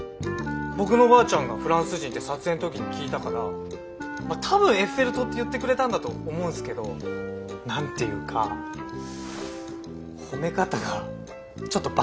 僕のばあちゃんがフランス人って撮影の時に聞いたから多分エッフェル塔って言ってくれたんだと思うんすけど何ていうか褒め方がちょっと坂東さんっぽくて。